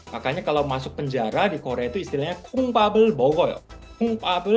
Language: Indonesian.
makanya kalau masuk penjara di korea itu istilahnya